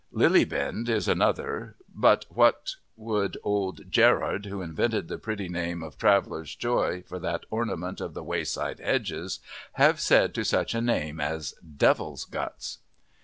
Lilybind is another. But what would old Gerarde, who invented the pretty name of traveller's joy for that ornament of the wayside hedges, have said to such a name as Devil's guts?